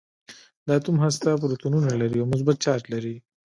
د اتوم هسته پروتونونه لري او مثبت چارج لري.